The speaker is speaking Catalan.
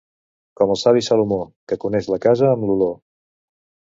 Com el savi Salomó, que coneix la casa amb l'olor.